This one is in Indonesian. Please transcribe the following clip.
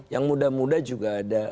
yang muda muda juga ada